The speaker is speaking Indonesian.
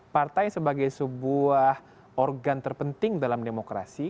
partai sebagai sebuah organ terpenting dalam demokrasi